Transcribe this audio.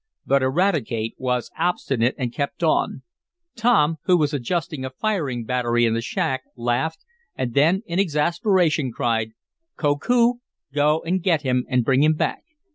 But Eradicate was obstinate and kept on. Tom, who was adjusting a firing battery in the shack, laughed, and then in exasperation cried: "Koku, go and get him and bring him back.